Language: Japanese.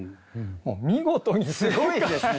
見事にすごいですね！